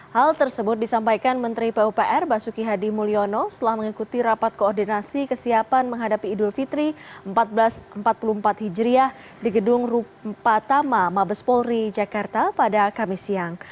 hal tersebut disampaikan menteri pupr basuki hadi mulyono setelah mengikuti rapat koordinasi kesiapan menghadapi idul fitri seribu empat ratus empat puluh empat hijriah di gedung rupatama mabes polri jakarta pada kamis siang